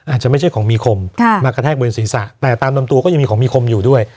อาจจะไม่ใช่ของมีคมมากระแทกบนศีรษะแต่ตามลำตัวก็ยังมีของมีคมอยู่ด้วย